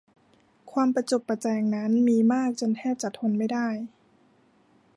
ความประจบประแจงนั้นมีมากจนแทบจะทนไม่ได้